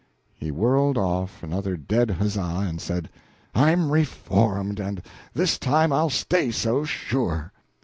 He whirled off another dead huzza, and said, "I'm reformed, and this time I'll stay so, sure!"